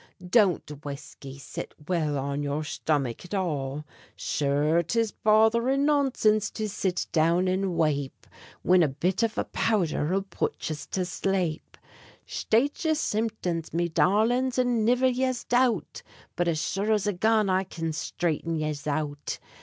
Don't whiskey sit well on yer shtomick at all? Sure 'tis botherin' nonsinse to sit down and wape Whin a bit av a powdher ull put yez to shlape. Shtate yer symptoms, me darlins, and niver yez doubt But as sure as a gun I can shtraighten yez out!